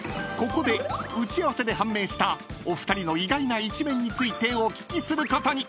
［ここで打ち合わせで判明したお二人の意外な一面についてお聞きすることに。